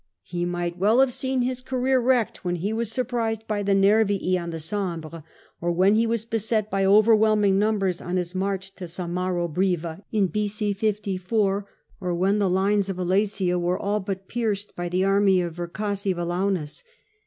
He might well have seen his career wrecked when he was surprised by the Nervii on the Sambre, or when he was beset by over whelming numbers on his march to Samarobriva in B.C. 54, or when the lines of Alesia were all but pierced by the army of Vercassivelaunus.